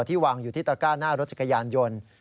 วางอยู่ที่ตระก้าหน้ารถจักรยานยนต์